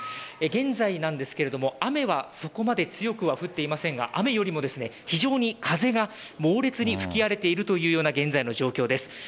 現在なんですが雨はそこまで強くは降っていませんが雨よりも非常に風が猛烈に吹き荒れているという現在の状況です。